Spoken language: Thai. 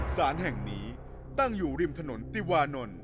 สารแห่งนี้ตั้งอยู่ริมถนนติวานนท์